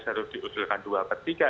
harus diusulkan dua per tiga